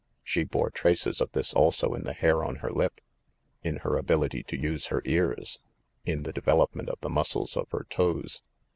She bore traces of this also in the hair on her lip, in her ability to use her ears, in the development of the muscles of her toes.